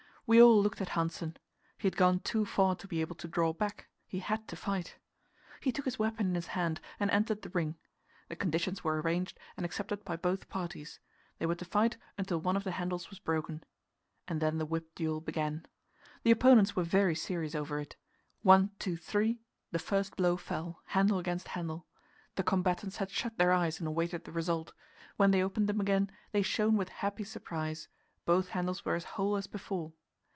We all looked at Hanssen. He had gone too far to be able to draw back; he had to fight. He took his weapon in his hand, and entered the "ring." The conditions were arranged and accepted by both parties; they were to fight until one of the handles was broken. And then the whip duel began. The opponents were very serious over it. One, two, three the first blow fell, handle against handle. The combatants had shut their eyes and awaited the result; when they opened them again, they shone with happy surprise both handles were as whole as before.